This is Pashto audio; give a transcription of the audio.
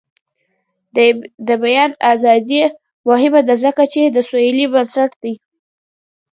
د بیان ازادي مهمه ده ځکه چې د سولې بنسټ دی.